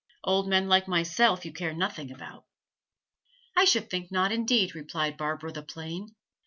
Old men like myself you care nothing about.' 'I should think not, indeed,' replied Barbara the plain.